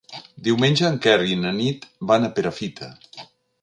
Diumenge en Quer i na Nit van a Perafita.